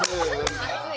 熱い。